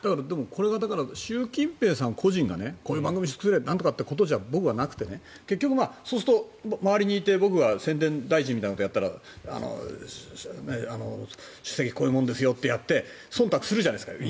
これが習近平さん個人がこういう番組を作れとかじゃなくて僕はなくて、そうすると周りにいて僕が宣伝大臣みたいなことをやったら主席、こういうものですよってそんたくするじゃないですか。